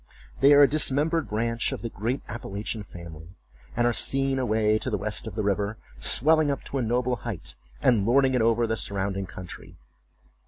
They are a dismembered branch of the great Appalachian family, and are seen away to the west of the river, swelling up to a noble height, and lording it over the surrounding country.